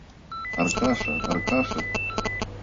Аркаша! Аркаша!